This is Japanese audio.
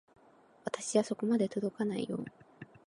私じゃそこまで届かないよ。